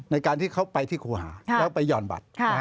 ในการที่เขาไปที่ครูหาแล้วไปห่อนบัตร